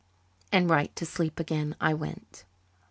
And right to sleep again I went.